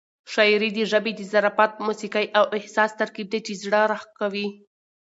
شاعري د ژبې د ظرافت، موسيقۍ او احساس ترکیب دی چې زړه راښکوي.